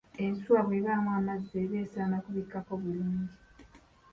Ensuwa bw'ebaamu amazzi eba esaana kubikkako bulungi.